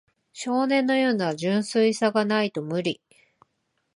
少年のような純真さがないと無理